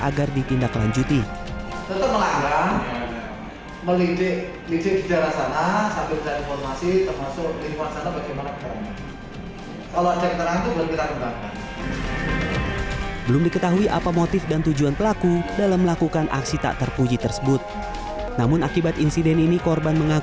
agar tidak terjadi kejadian yang sama di jawa tengah